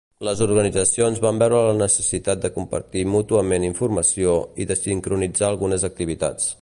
Les organitzacions van veure la necessitat de compartir mútuament informació i de sincronitzar algunes activitats.